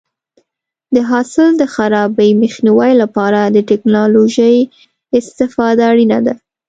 د حاصل د خرابي مخنیوي لپاره د ټکنالوژۍ استفاده اړینه ده.